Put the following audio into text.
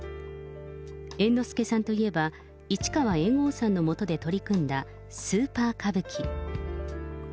猿之助さんといえば、市川猿翁さんのもとで取り組んだ、スーパー歌舞伎。